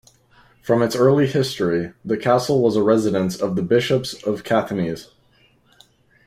From its early history, the castle was a residence of the Bishops of Caithness.